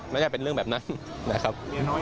ไม่ใช่เป็นเรื่องแบบนั้นนะครับ